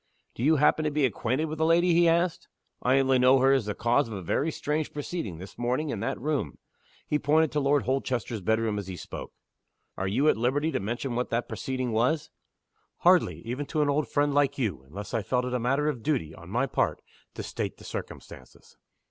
"Do you happen to be acquainted with the lady?" he asked "I only know her as the cause of a very strange proceeding, this morning, in that room." He pointed to Lord Holchester's bedroom as he spoke. "Are you at liberty to mention what the proceeding was?" "Hardly even to an old friend like you unless I felt it a matter of duty, on my part, to state the circumstances.